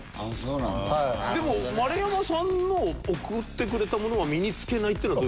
でも丸山さんの贈ってくれたものは身につけないっていうのは？